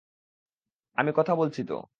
আমি কথা বলছি তো!